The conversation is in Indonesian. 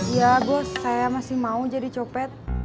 iya bos saya masih mau jadi copet